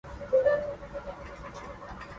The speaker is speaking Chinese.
茶百道